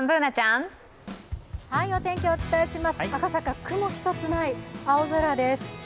お伝えします、赤坂、雲一つない青空です。